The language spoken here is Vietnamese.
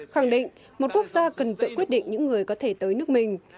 khẳng định một quốc gia cần tự quyết định những người có thể tới nước mình